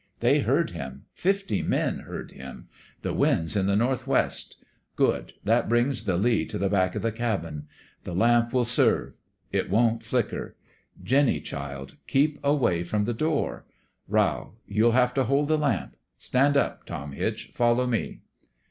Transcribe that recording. They heard him. Fifty men heard him. ... The wind's in the northwest. Good ! That brings the lee to the back of the cabin. The lamp will serve. It won't flicker. Jinny, child, keep away from the door. Rowl, you'll have to hold the lamp. ... Stand up, Tom Hitch. Follow me.'